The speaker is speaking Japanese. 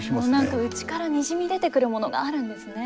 何か内からにじみ出てくるものがあるんですね。